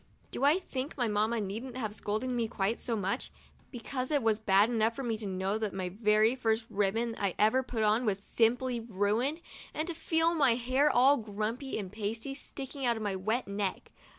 I do think my Mamma needn't have scolded me quite so much, because it was bad enough for me to know that the very first ribbon that I ever put on was "simply ruined," and to feel my 16 MONDAY— MY FIRST BATH hair all gummy and pasty, sticking to my wet neck.